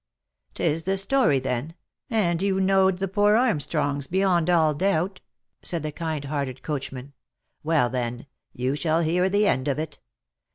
" 'Tis the story, then ? and you knowed the poor Armstrongs, be yond all doubt !" said the kind hearted coachman. " Well then, you shall hear the end of it.